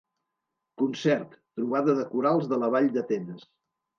Concert, Trobada de Corals de la Vall del Tenes.